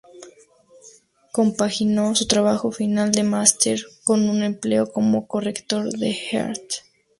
Compaginó su trabajo final de máster, con un empleo como corrector para Haaretz.